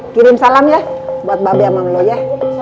kirim salam ya buat mbak be sama lo ya